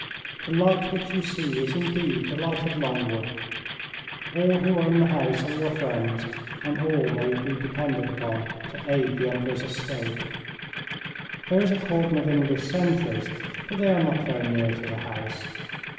The light which you see is indeed the light of Longwood. All who are in the house are your friends, and all may be depended upon to aid the Emperor's escape. There is a cordon of English sentries, but they are not very near to the house.